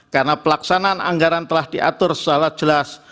karena pelaksanaan anggaran telah diatur secara jelas